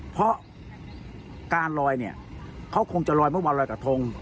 เพราะการลอยเนี่ยเขาคงจะลอยเมื่อวันรอยกระทง